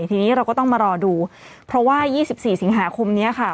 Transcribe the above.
ทีนี้เราก็ต้องมารอดูเพราะว่า๒๔สิงหาคมนี้ค่ะ